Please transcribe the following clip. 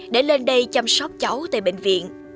để lên đây chăm sóc cháu tại bệnh viện